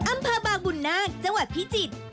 อำเภอบางบุญนาคจังหวัดพิจิตร